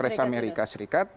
peel price amerika serikat